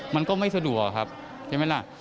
มันก็ไม่สะดวกครับเห็นไหมล่ะ